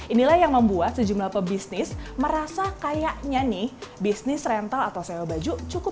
inilah yang membuat sejumlah pebisnis merasa kayaknya nih bisnis rental atau sewa baju cukup